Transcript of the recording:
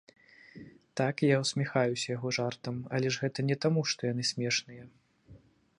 Так, я ўсміхаюся яго жартам, але ж гэта не таму, што яны смешныя.